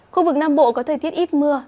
khu vực nam bộ có thời tiết ít mưa